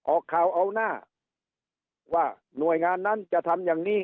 ออกข่าวเอาหน้าว่าหน่วยงานนั้นจะทำอย่างนี้